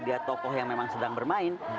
dia tokoh yang memang sedang bermain